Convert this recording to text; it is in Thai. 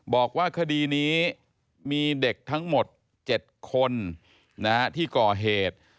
บอกว่าคดีนี้มีเด็กทั้งหมด๗คนที่ก่อเหตุ